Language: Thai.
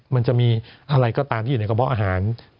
มันจะมีอะไรก็ตามที่อยู่ในกระเพาะอาหาร